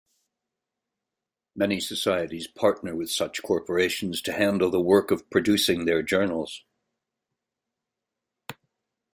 Many societies partner with such corporations to handle the work of producing their journals.